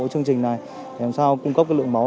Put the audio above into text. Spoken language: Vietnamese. chương trình này để làm sao cung cấp lượng máu